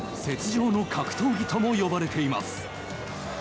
雪上の格闘技とも呼ばれています。